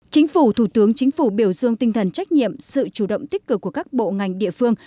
chính phủ thủ tướng chính phủ biểu dương tinh thần trách nhiệm sự chủ động tích cực của các bộ ngành địa phương